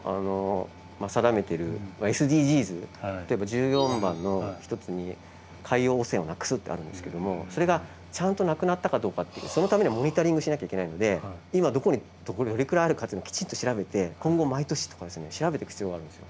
１４番の一つに海洋汚染をなくすってあるんですけどもそれがちゃんとなくなったかどうかってそのためにはモニタリングしなきゃいけないので今どこにどれくらいあるかっていうのをきちんと調べて今後毎年とか調べていく必要があるんですよ。